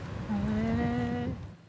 へえ。